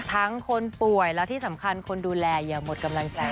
คนป่วยและที่สำคัญคนดูแลอย่าหมดกำลังใจ